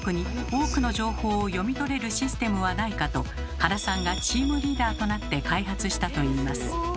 「多くの情報」を読み取れるシステムはないかと原さんがチームリーダーとなって開発したといいます。